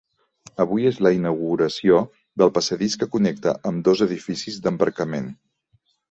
Avui és la inauguració del passadís que connecta ambdós edificis d'embarcament.